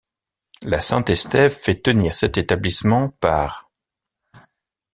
La Saint-Estève fait tenir cet établissement par...